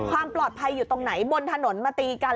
ความปลอดภัยอยู่ตรงไหนบนถนนมาตีกัน